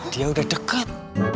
dia udah deket